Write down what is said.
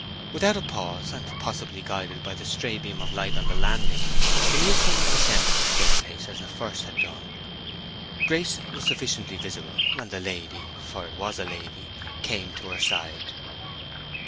Without a pause, and possibly guided by the stray beam of light on the landing, the newcomer ascended the staircase as the first had done. Grace was sufficiently visible, and the lady, for a lady it was, came to her side.